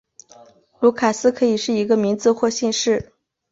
卢卡斯可以是一个名字或姓氏。